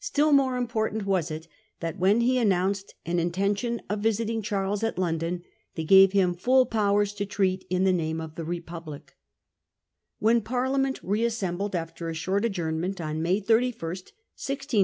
Still more important was it that, when he announced an intention of visiting Charles at London, they gave him full powers to treat in the name of the Republic, When Parliament reassembled after a short adjourn Claims of Parliament to control foreign alliances, June 1677.